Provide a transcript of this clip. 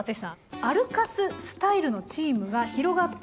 アルカススタイルのチームが広がっています。